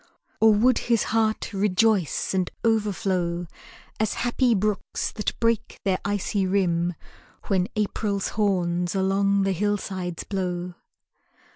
Or would his heart rejoice and overflow, As happy brooks that break their icy rim When April's horns along the hillsides blow?